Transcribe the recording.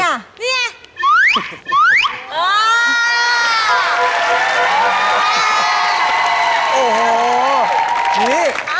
อ่าเห้ย